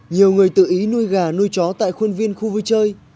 nhiều người tự ý nuôi gà nuôi chó tại khuôn viên khu vui chơi